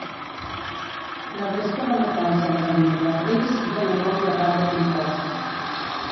La resta de metalls alcalinoterris dóna un bon grapat de composts.